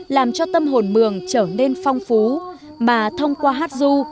làm cho tâm hồn mường trở nên phong phú mà thông qua hát du